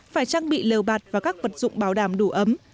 phải trang bị lều bạt và các vật dụng bảo đảm đủ ấm